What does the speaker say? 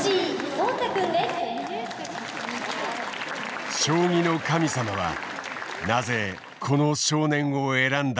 将棋の神様はなぜこの少年を選んだのだろうか。